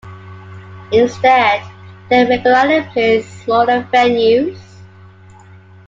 Instead, they regularly plays smaller venues.